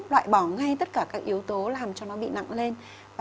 loại bỏ ngay tất cả các yếu tố làm cho nó bị nặng lên